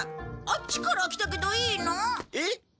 あっちから来たけどいいの？えっ！？